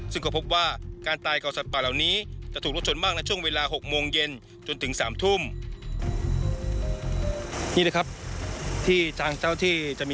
ซึ่งก็พบว่าการตายของสัตว์ป่าเหล่านี้จะถูกรถชนมากในช่วงเวลา๖โมงเย็นจนถึง๓ทุ่ม